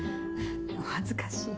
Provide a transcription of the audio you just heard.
お恥ずかしい。